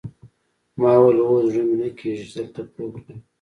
ما وویل: هو، زړه مې نه کېږي چې دلته پروت وم.